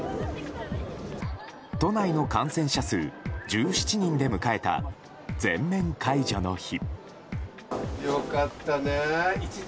都内の感染者数１７人で迎えた全面解除の日。